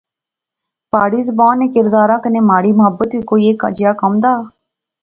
پہاڑی زبان نے کرداریں کنے مہاڑی محبت وی کوئی ایہے جیا کم دا